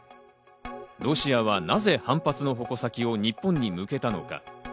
ロシアはなぜ反発の矛先を日本に向けたのか？